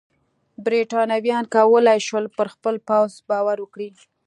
برېټانویانو کولای شول پر خپل پوځ باور وکړي.